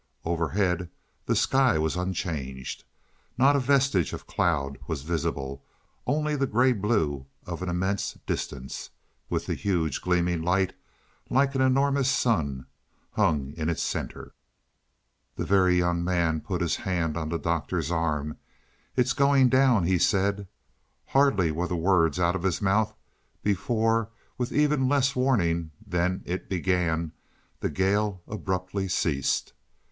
Overhead, the sky was unchanged. Not a vestige of cloud was visible, only the gray blue of an immense distance, with the huge gleaming light, like an enormous sun, hung in its center. The Very Young Man put his hand on the Doctor's arm. "It's going down," he said. Hardly were the words out of his mouth before, with even less warning than it began, the gale abruptly ceased.